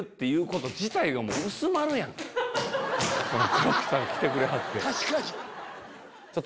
黒木さん来てくれはって。